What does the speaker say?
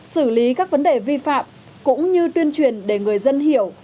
xử lý các vấn đề vi phạm cũng như tuyên truyền để người dân hiểu